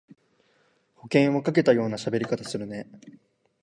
保険をかけたようなしゃべり方するね